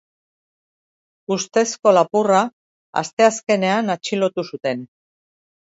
Ustezko lapurra asteazkenean atxilotu zuten.